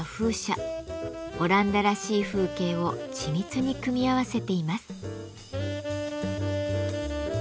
オランダらしい風景を緻密に組み合わせています。